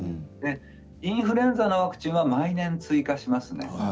インフルエンザワクチンは毎年打ちますよね。